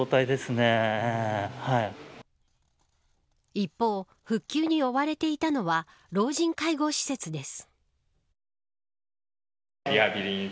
一方、復旧に追われていたのは老人介護施設です。